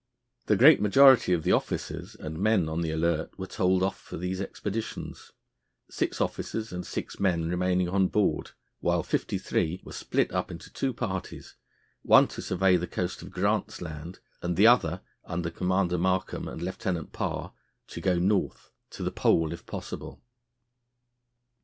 The great majority of the officers and men on the Alert were told off for these expeditions, six officers and six men remaining on board, while fifty three were split up into two parties, one to survey the coast of Grant's Land, and the other, under Commander Markham and Lieutenant Parr, to go North to the Pole if possible.